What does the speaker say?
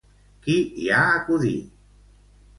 Qui hi ha acudit?